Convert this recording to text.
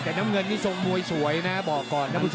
แต่น้ำเงินนี่ทรงมวยสวยนะบอกก่อนท่านผู้ชม